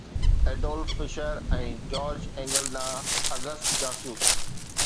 Adolf Fischer ۽ George Engel ڏانهن August جاسوس